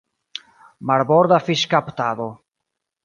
Marborda fiŝkaptado.